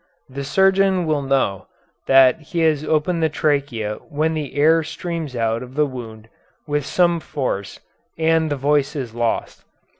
The surgeon will know that he has opened the trachea when the air streams out of the wound with some force, and the voice is lost.